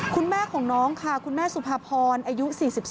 คุณแม่ของน้องค่ะคุณแม่สุภาพรอายุ๔๒